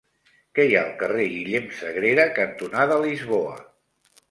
Què hi ha al carrer Guillem Sagrera cantonada Lisboa?